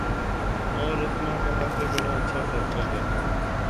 اور رسما کہا کہ بڑا اچھا فیصلہ ہے۔